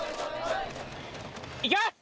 いきます。